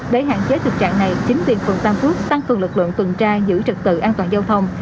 để hạn chế thực trạng này chính quyền phường tam phước tăng cường lực lượng tuần tra giữ trực tự an toàn giao thông